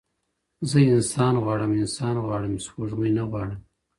زه انسان غواړمه انسان غواړم سپوږمۍ نه غواړم